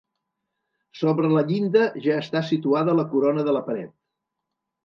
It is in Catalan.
Sobre la llinda ja està situada la corona de la paret.